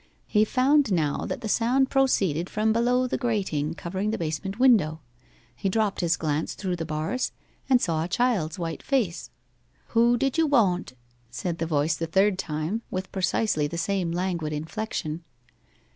He found now that the sound proceeded from below the grating covering the basement window. He dropped his glance through the bars, and saw a child's white face. 'Who did you woant?' said the voice the third time, with precisely the same languid inflection.